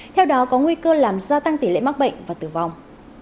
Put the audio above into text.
theo đó có nguy cơ làm gia tăng tỷ lệ mắc bệnh và tử vong